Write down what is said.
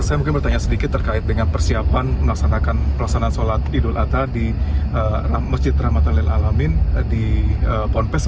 saya mungkin bertanya sedikit terkait dengan persiapan melaksanakan pelaksanaan sholat idul adha di masjid rahmatan lil alamin di ponpes